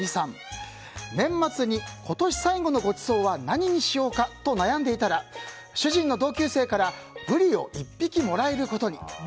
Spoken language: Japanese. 年末に今年最後のごちそうは何にしようかと悩んでいたら主人の同級生からブリを１匹もらえることに。